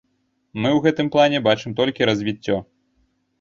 Мы ў гэтым плане бачым толькі развіццё.